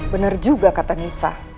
bener juga kata nisa